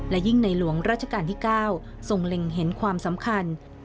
และยิ่งในหลวงราชการที่๙ทรงเล็งเห็นความสำคัญ